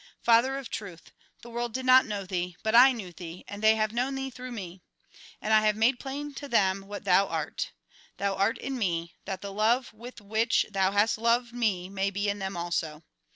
Father of truth ! the world did not know Thee, but I knew Thee, and they have known Thee through me. And I have made plain to them what Thou Jn. THE FAREWELL DISCOURSE 145 art. Thou art in me, that the love with which Thou hast loved me may be in them also.